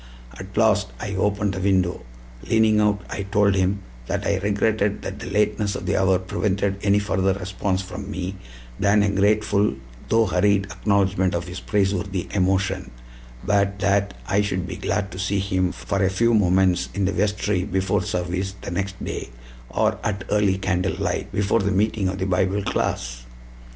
At last I opened the window. Leaning out, I told him that I regretted that the lateness of the hour prevented any further response from me than a grateful though hurried acknowledgment of his praiseworthy emotion, but that I should be glad to see him for a few moments in the vestry before service the next day, or at early candlelight, before the meeting of the Bible class.